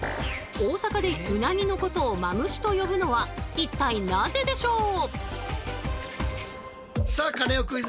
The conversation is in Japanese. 大阪でうなぎのことを「まむし」と呼ぶのは一体なぜでしょうか。